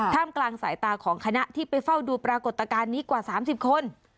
กลางสายตาของคณะที่ไปเฝ้าดูปรากฏการณ์นี้กว่า๓๐คน